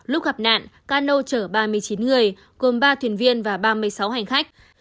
lúc gặp nạn cano chở ba mươi chín người gồm ba thuyền viên và ba mươi sáu hành khách